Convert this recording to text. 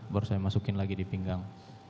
baru saya masukin lagi di pinggang